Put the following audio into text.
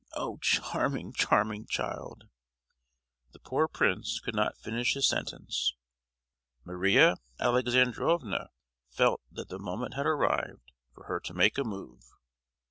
Oh charming, charming child!——" The poor prince could not finish his sentence. Maria Alexandrovna felt that the moment had arrived for her to make a move.